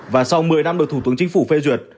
và sau một mươi năm được thủ tướng chính phủ phê duyệt